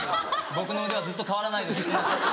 僕の腕はずっと変わらないです。